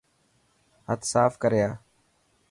هٿ صاف ڪري آءِ.